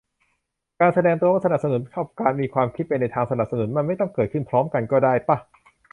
การแสดงตัวว่าสนับสนุน กับการมีความคิดไปในทางสนับสนุน มันไม่ต้องเกิดพร้อมกันก็ได้ป่ะ